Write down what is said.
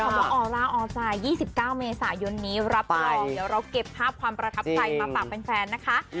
ว่าออล่าออใจ๒๙เมษายนนี้รับรองเดี๋ยวเราเก็บภาพความประทับใจมาฝากแฟนนะคะ